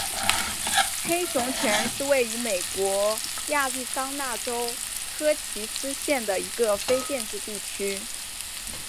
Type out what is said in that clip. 黑熊泉是位于美国亚利桑那州科奇斯县的一个非建制地区。